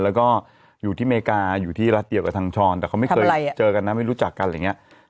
แล้วก็อยู่ที่อเมริกาอยู่ที่รัฐเดียวกับทางช้อนแต่เขาไม่เคยเจอกันนะไม่รู้จักกันอะไรอย่างนี้